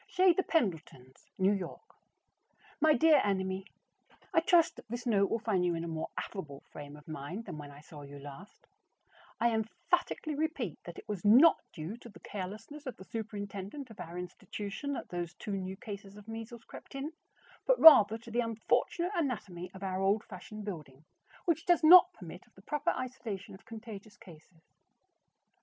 CHEZ THE PENDLETONS, New York. My dear Enemy: I trust that this note will find you in a more affable frame of mind than when I saw you last. I emphatically repeat that it was not due to the carelessness of the superintendent of our institution that those two new cases of measles crept in, but rather to the unfortunate anatomy of our old fashioned building, which does not permit of the proper isolation of contagious cases.